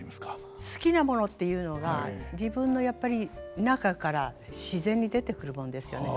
好きなものっていうのが自分のやっぱり中から自然に出てくるもんですよね。